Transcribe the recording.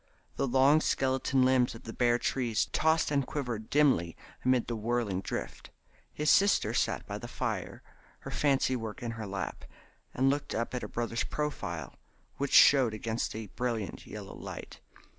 The long skeleton limbs of the bare trees tossed and quivered dimly amid the whirling drift. His sister sat by the fire, her fancy work in her lap, and looked up at her brothers profile which showed against the brilliant yellow light.